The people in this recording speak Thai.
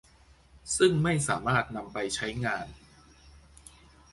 ซึ่งไม่สามารถนำไปใช้งาน